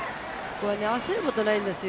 焦ることないんですよ。